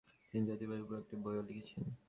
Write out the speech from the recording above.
তিনি জ্যোতির্বিদ্যার উপর একটি বইও লিখেছেন।